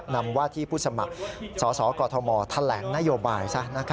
นำว่าที่ผู้สมัครสสกมแถลงนโยบายซะ